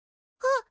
あっ。